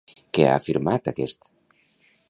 Què ha afirmat aquest?